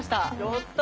やった！